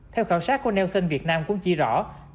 theo khảo sát của nelson việt nam cũng chỉ rõ